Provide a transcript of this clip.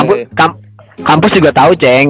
mungkin kampus juga tau ceng